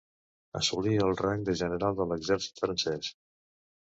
Assolí el rang de general de l'exèrcit francès.